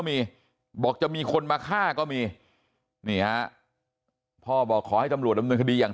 มีบอกจะมีคนมาฆ่าก็มีนี่ฮะพ่อบอกขอให้ตำรวจดำเนินคดีอย่าง